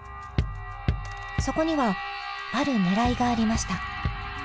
そこにはあるねらいがありました。